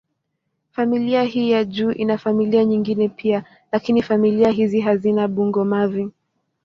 Familia hii ya juu ina familia nyingine pia, lakini familia hizi hazina bungo-mavi.